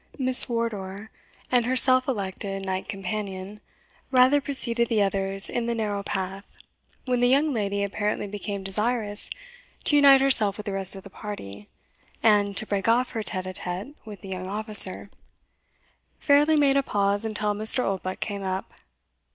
Miss Wardour, and her self elected knight companion, rather preceded the others in the narrow path, when the young lady apparently became desirous to unite herself with the rest of the party, and, to break off her tete a tete with the young officer, fairly made a pause until Mr. Oldbuck came up.